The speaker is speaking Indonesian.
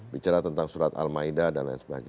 bicara tentang surat al maida dan lain sebagainya